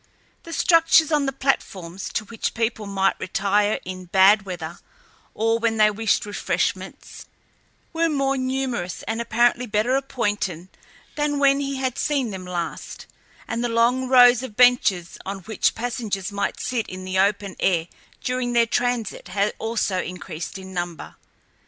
The structures on the platforms, to which people might retire in bad weather or when they wished refreshments, were more numerous and apparently better appointed than when he had seen them last, and the long rows of benches on which passengers might sit in the open air during their transit had also increased in number.